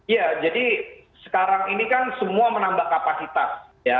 ya jadi sekarang ini kan semua menambah kapasitas ya